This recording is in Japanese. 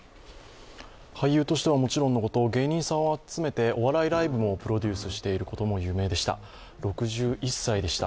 俳優としてはもちろんのこと、芸人さんを集めてお笑いライブもプロデュースしていることも有名でした。